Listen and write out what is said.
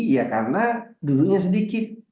ya karena dulunya sedikit